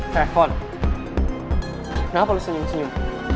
trevon kenapa lo senyum senyum